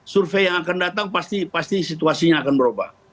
survei yang akan datang pasti situasinya akan berubah